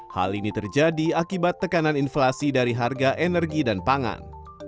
hal ini terjadi akibat tekanan inflasi dari harga energi dan pangan